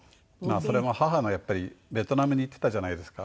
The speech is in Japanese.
それも母のやっぱりベトナムに行っていたじゃないですか。